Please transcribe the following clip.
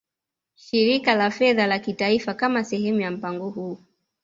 Shirika la Fedha la Kimataifa Kama sehemu ya mpango huu